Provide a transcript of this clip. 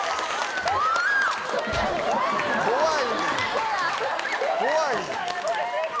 ・怖い！